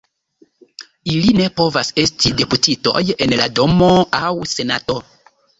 Ili ne povas esti deputitoj en la Domo aŭ Senato.